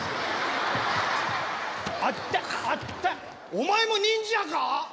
お前も忍者か！？